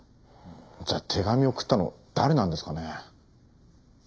じゃあ手紙を送ったの誰なんですかね？